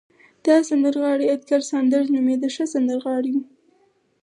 دغه سندرغاړی اېدګر ساندرز نومېده، ښه سندرغاړی و.